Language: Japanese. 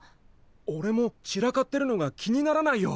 おれも散らかってるのが気にならないよ。